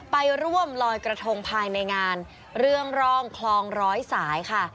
ไปร่วมลอยกระทงภายในงานเรื่องร่องคลองร้อยสายค่ะ